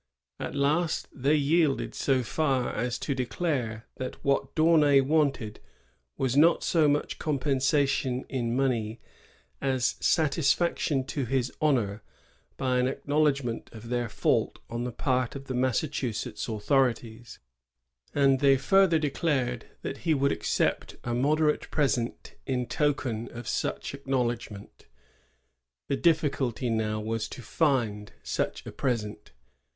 " At 4A THE VICTOR VANQUISHED. [1M6. last they yielded so far as to declare that what D'Aiinay wanted was not so much compensation in money as satisfaction to his honor by an acknowledg ment of their fault on the part of the Massachusetts authorities ; and they further declared that he would accept a moderate present in token of such acknowl edgment. The difficulty now was to find such a present.